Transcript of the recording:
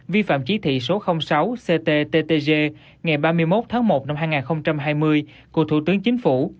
vi phạm chỉ thị số sáu cttg ngày ba mươi một tháng một năm hai nghìn hai mươi của thủ tướng chính phủ